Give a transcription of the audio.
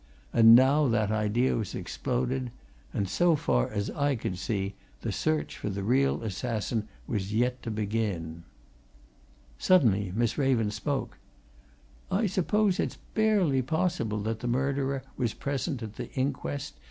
And now that idea was exploded, and so far as I could see, the search for the real assassin was yet to begin. Suddenly Miss Raven spoke. "I suppose it's scarcely possible that the murderer was present at that inquest?"